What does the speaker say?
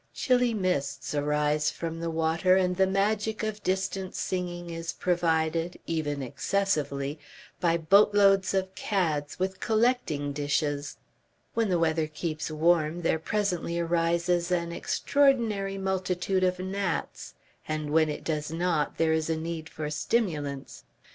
Chilly mists arise from the water and the magic of distant singing is provided, even excessively, by boatloads of cads with collecting dishes. When the weather keeps warm there presently arises an extraordinary multitude of gnats, and when it does not there is a need for stimulants.